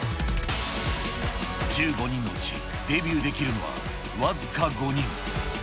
１５人のうち、デビューできるのは僅か５人。